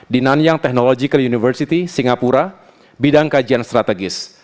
di nanyang technological university singapura bidang kajian strategis